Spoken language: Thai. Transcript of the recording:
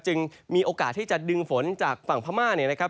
จึงมีโอกาสที่จะดึงฝนจากฝั่งพม่าเนี่ยนะครับ